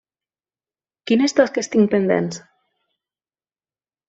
Quines tasques tinc pendents?